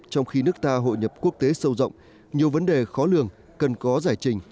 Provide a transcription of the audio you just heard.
trong khi nước ta hội nhập quốc tế sâu rộng nhiều vấn đề khó lường cần có giải trình